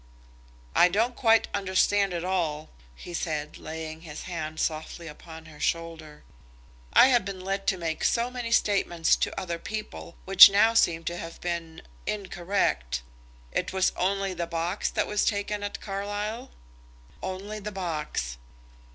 "I don't quite understand it all," he said, laying his hand softly upon her shoulder. "I have been led to make so many statements to other people, which now seem to have been incorrect! It was only the box that was taken at Carlisle?" "Only the box."